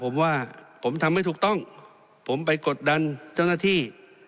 ผมว่าผมทำไม่ถูกต้องผมไปกดดันเจ้าหน้าที่